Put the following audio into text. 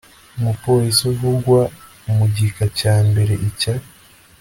Umupolisi uvugwa mu gika cya mbere icya